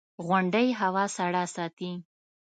• غونډۍ هوا سړه ساتي.